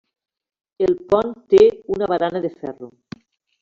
El pont té una barana de ferro.